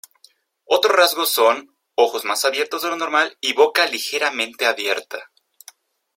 Otros rasgos son: ojos más abiertos de lo normal y boca ligeramente abierta.